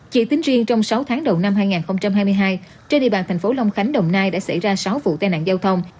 chỉ tính riêng trong sáu tháng đầu năm hai nghìn hai mươi hai trên địa bàn thành phố long khánh đồng nai đã xảy ra sáu vụ tai nạn giao thông